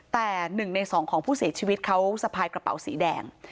แต่๑ใน๒ของผู้เสียชีวิตเขาสะพายกระเป๋าสีแดง